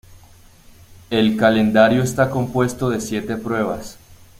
El calendario está compuesto de siete pruebas.